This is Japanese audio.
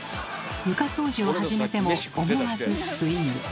床掃除を始めても思わずスイング。